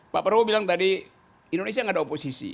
pak prabowo bilang tadi indonesia gak ada oposisi